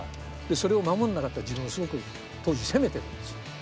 それを守らなかった自分をすごく当時責めてるんですよ。